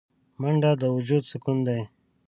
منډه د وجود سکون دی